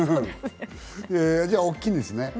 じゃあ大きいんですね。